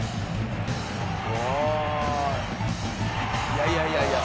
「いやいやいやいや。